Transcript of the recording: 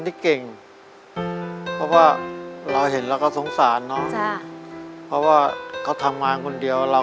ที่เก่งเพราะว่าเราเห็นเราก็สงสารเนอะเพราะว่าเขาทำงานคนเดียวเรา